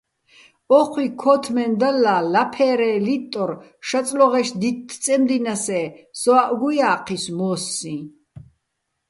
ო́ჴუჲ ქო́თმენდალლა ლაფე́რეჼ ლიტტორ შაწლოღეშ დითთ-წემდინასე́ სოაჸ გუჲა́ჴისო̆ მო́სსიჼ.